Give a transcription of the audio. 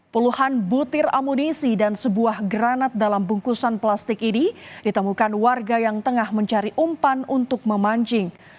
puluhan butir amunisi dan sebuah granat dalam bungkusan plastik ini ditemukan warga yang tengah mencari umpan untuk memancing